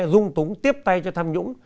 dung túng tiếp tay cho tham nhũng